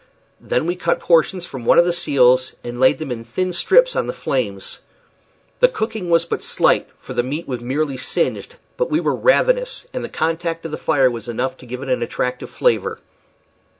Then we cut portions from one of the seals, and laid them in thin strips on the flames. The cooking was but slight, for the meat was merely singed; but we were ravenous, and the contact of the fire was enough to give it an attractive flavor.